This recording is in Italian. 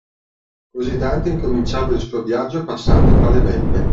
Così Dante incominciava il suo viaggio passando tra tre belve